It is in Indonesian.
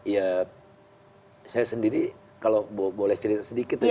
ya saya sendiri kalau boleh cerita sedikit ya